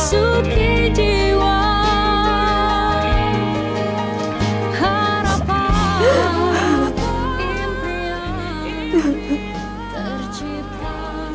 saya terima kasih kakaknya